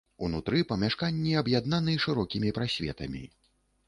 Унутры памяшканні аб'яднаны шырокімі прасветамі.